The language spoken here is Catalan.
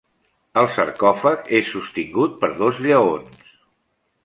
El sarcòfag és sostingut per dos lleons.